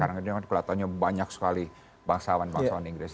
sekarang itu kulatonya banyak sekali bangsawan bangsawan inggris